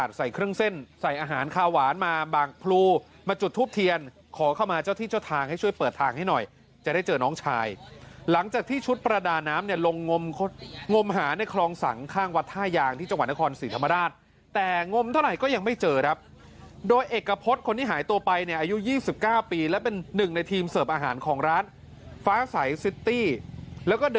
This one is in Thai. แล้วเนี้ยเขาโดมหากันอยู่อ้าว